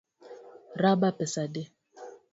Raba pesa adi?